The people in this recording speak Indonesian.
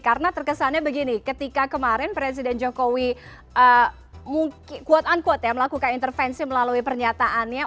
karena terkesannya begini ketika kemarin presiden jokowi quote unquote ya melakukan intervensi melalui pernyataannya